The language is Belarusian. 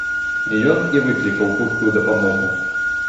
Ён і выклікаў хуткую дапамогу.